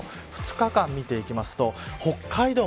２日間見ていきますと北海道